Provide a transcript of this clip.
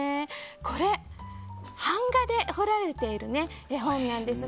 これ、版画で彫られている絵本なんです。